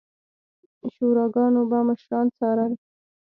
شوراګانو به مشران څارل